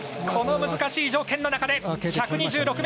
この難しい条件の中で１２６ｍ。